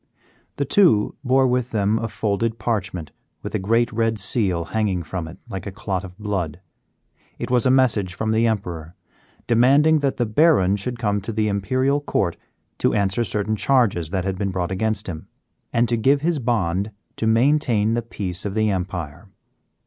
The two bore with them a folded parchment with a great red seal hanging from it like a clot of blood; it was a message from the Emperor demanding that the Baron should come to the Imperial Court to answer certain charges that had been brought against him, and to give his bond to maintain the peace of the empire.